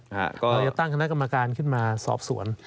เราจะตั้งคณะกรรมการขึ้นมาสอบสวน